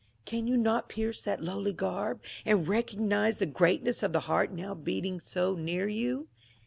(Jan you not pierce that lowly garb, and recognize the greatness of the heart now beat ing so near you